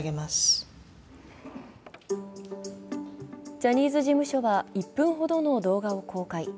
ジャニーズ事務所は１分ほどの動画を公開。